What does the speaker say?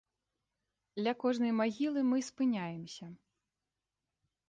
Ля кожнай магілы мы спыняемся.